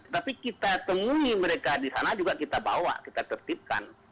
tapi kita temui mereka di sana juga kita bawa kita tertipkan